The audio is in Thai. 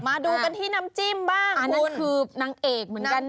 มาดูกันที่น้ำจิ้มบ้างอันนั้นคือนางเอกเหมือนกัน